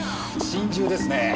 心中ですねえ。